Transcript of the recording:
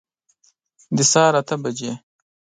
د سهار اته بجي